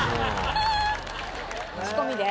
仕込みで？